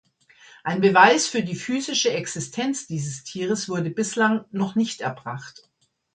Ein Beweis für die physische Existenz dieses Tieres wurde bislang noch nicht erbracht.